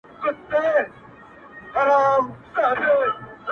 زما پر حال باندي زړه مـه ســـــوځـــــوه!